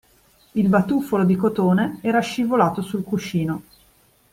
Il batuffolo di cotone era scivolato sul cuscino.